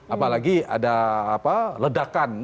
apalagi ada ledakan